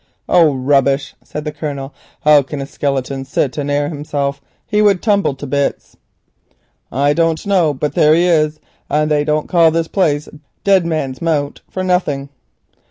"Oh, rubbish," said the Colonel. "How can a skeleton sit and air himself? He would tumble to bits." "I don't know, but there he be, and they don't call this here place 'Dead Man's Mount' for nawthing."